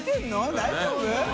大丈夫？